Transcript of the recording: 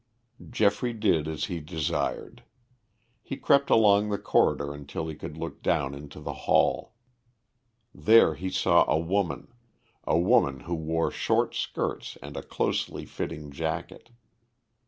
Geoffrey did as he desired. He crept along the corridor until he could look down into the hall. There he saw a woman a woman who wore short skirts and a closely fitting jacket.